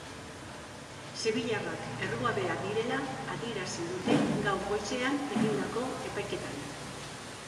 Sevillarrak errugabeak direla adierazi dute gaur goizean egindako epaiketan.